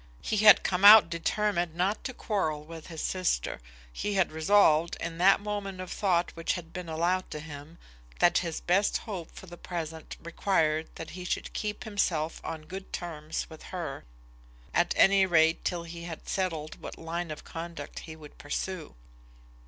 He had come out determined not to quarrel with his sister. He had resolved, in that moment of thought which had been allowed to him, that his best hope for the present required that he should keep himself on good terms with her, at any rate till he had settled what line of conduct he would pursue.